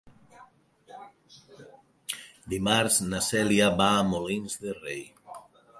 Dimarts na Cèlia va a Molins de Rei.